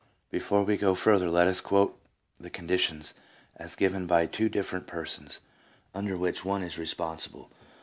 Before we go further let us quote the conditions, as given by two different persons, under which one is responsible.